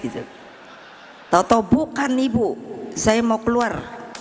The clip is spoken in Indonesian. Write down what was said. toto bukan ibu saya mau keluar